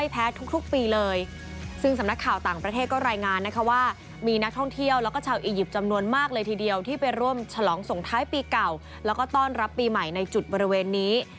พื้นที่ที่เก่าและก็ต้อนรับปีใหม่ในจุดบริเวณนี้